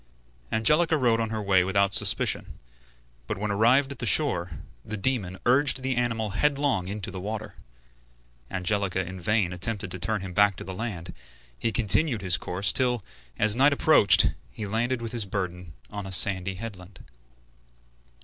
Angelica rode on her way without suspicion, but when arrived at the shore, the demon urged the animal headlong into the water. Angelica in vain attempted to turn him back to the land; he continued his course till, as night approached, he landed with his burden on a sandy headland.